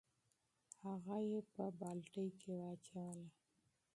هغه یې په بالټي کې واچوله.